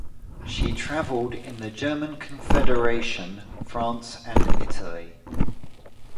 She traveled in the German Confederation, France and Italy.